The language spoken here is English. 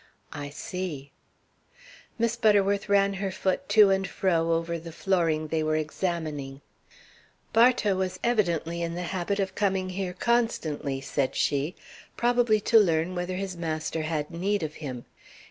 "I see." Miss Butterworth ran her foot to and fro over the flooring they were examining. "Bartow was evidently in the habit of coming here constantly," said she, "probably to learn whether his master had need of him.